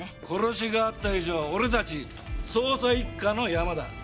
殺しがあった以上俺たち捜査一課のヤマだ。